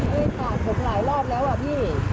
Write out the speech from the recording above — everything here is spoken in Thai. เฮ้ยปัดผมหลายรอบแล้วอ่ะพี่